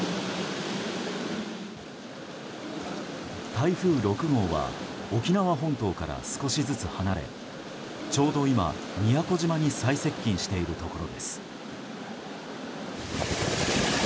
台風６号は沖縄本島から少しずつ離れちょうど今宮古島に最接近しているところです。